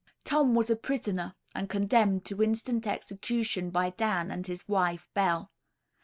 Tom was a prisoner, and condemned to instant execution by Dan and his wife Bell.